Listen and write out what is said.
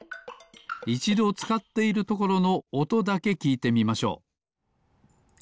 いちどつかっているところのおとだけきいてみましょう。